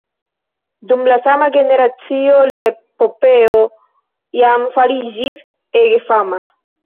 Dum la sama generacio lia epopeo jam fariĝis ege fama.